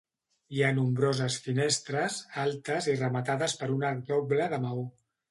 Hi ha nombroses finestres, altes i rematades per un arc doble de maó.